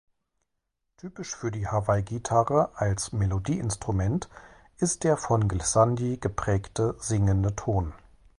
Typisch für die Hawaiigitarre als Melodieinstrument ist der von Glissandi geprägte singende Ton.